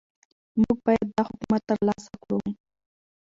موږ باید دا حکمت ترلاسه کړو.